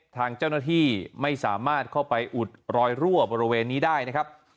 ทางเจ้าหน้าที่ไม่สามารถเข้าไปอุดรอยรั่วบริเวณนี้ได้นะครับ